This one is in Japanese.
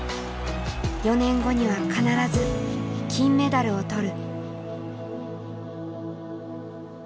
４年後には必ず金メダルを取る。